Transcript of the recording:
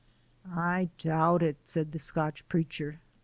"I doot it," said the Scotch Preacher.